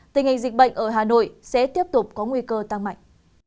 tình hình dịch bệnh ở hà nội sẽ tiếp tục có nguy cơ tăng mạnh